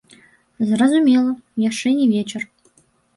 Зразумела, яшчэ не вечар.